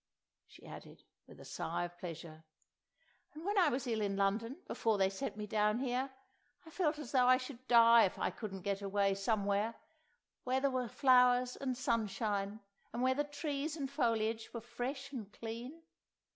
she added, with a sigh of pleasure. "And when I was ill in London, before they sent me down here, I felt as though I should die if I couldn't get away somewhere, where there were flowers and sunshine and where the trees and foliage were fresh and clean.